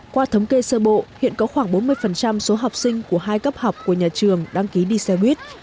qua thống kê sơ bộ hiện có khoảng bốn mươi số học sinh của hai cấp học của nhà trường đăng ký đi xe buýt